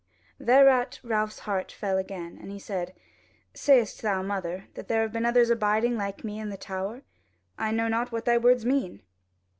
Thereat Ralph's heart fell again, and he said: "Sayest thou, mother, that there have been others abiding like me in the tower? I know not what thy words mean."